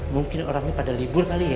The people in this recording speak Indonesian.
mungkin orangnya pada libur kali ya